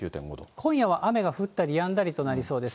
今夜は雨が降ったりやんだりとなりそうです。